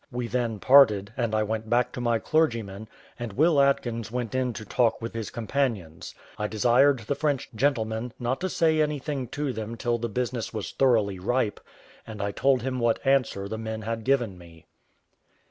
We then parted, and I went back to my clergyman, and Will Atkins went in to talk with his companions. I desired the French gentleman not to say anything to them till the business was thoroughly ripe; and I told him what answer the men had given me.